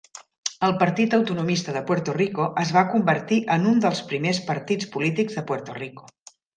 El partit autonomista de Puerto Rico es va convertir en un dels primers partits polítics de Puerto Rico.